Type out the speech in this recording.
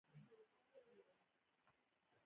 مېلمه ته د دعا غوښتنه وکړه.